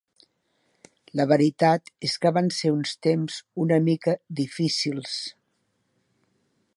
La veritat és que van ser uns temps una mica difícils.